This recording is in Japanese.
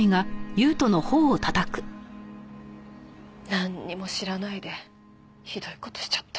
なんにも知らないでひどい事しちゃった。